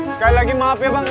sekali lagi maaf ya bang